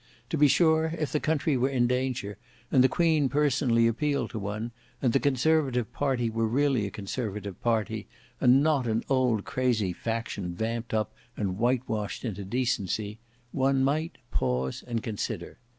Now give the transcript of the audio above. To be sure, if the country were in danger, and the Queen personally appealed to one, and the conservative party were really a conservative party, and not an old crazy faction vamped up and whitewashed into decency—one might pause and consider.